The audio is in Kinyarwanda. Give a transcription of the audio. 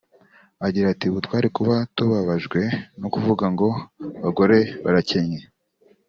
Agira ati “Ubu twari kuba tubabajwe no kuvuga ngo abagore barakennye